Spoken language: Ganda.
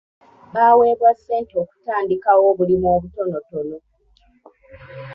Baaweebwa ssente okutandikawo obulimu obutonotono.